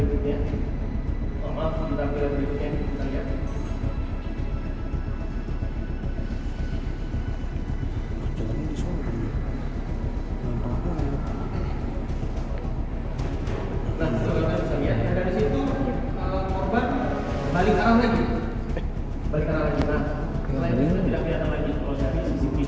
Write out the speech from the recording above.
jarak dan stasiun yang ditegakkan dengan tkp